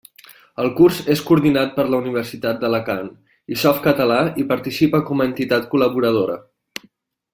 El curs és coordinat per la Universitat d'Alacant, i Softcatalà hi participa com a entitat col·laboradora.